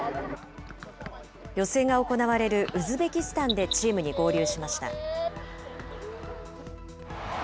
予選が行われるウズベキスタンでチームに合流しました。